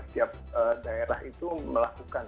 setiap daerah itu melakukan